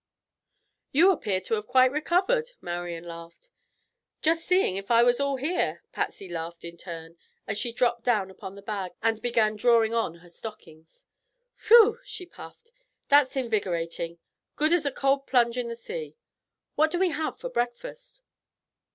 "You appear to have quite recovered," Marian laughed. "Just seeing if I was all here," Patsy laughed in turn, as she dropped down upon the bag and began drawing on her stockings. "Whew!" she puffed. "That's invigorating; good as a cold plunge in the sea. What do we have for breakfast?"